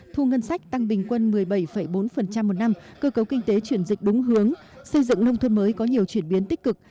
thu ngân sách tăng bình quân một mươi bảy bốn một năm cơ cấu kinh tế chuyển dịch đúng hướng xây dựng nông thôn mới có nhiều chuyển biến tích cực